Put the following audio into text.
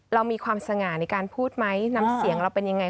เรามีความสง่าในการพูดไหมน้ำเสียงเราเป็นยังไง